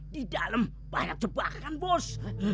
di dalam banyak jebakan bos